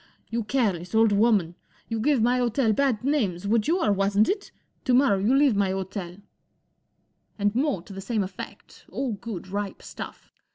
" You careless old woman ! You give my hotel bad names, would you or wasn't it ? To morrow you leave my hotel," And more to the same effect, all good,_ripe stuff.